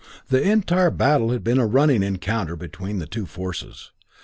The entire battle had been a running encounter between the two forces.